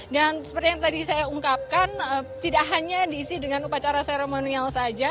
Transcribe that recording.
dan seperti yang tadi saya ungkapkan tidak hanya diisi dengan upacara seremonial saja